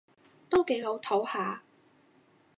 都幾老套吓